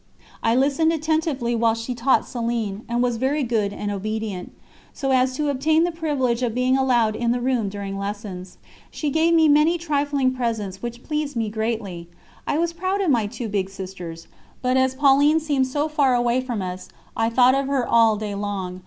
I listened attentively while she taught Céline, and was very good and obedient, so as to obtain the privilege of being allowed in the room during lessons. She gave me many trifling presents which pleased me greatly. I was proud of my two big sisters; but as Pauline seemed so far away from us, I thought of her all day long.